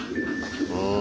うん。